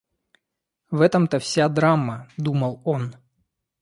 В этом-то вся драма, — думал он.